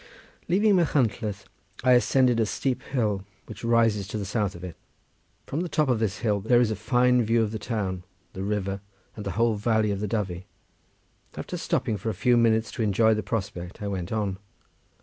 Leaving Machynlleth, I ascended a steep hill which rises to the south of it. From the top of this hill there is a fine view of the town, the river and the whole valley of Dyfi. After stopping for a few minutes to enjoy the prospect I went on.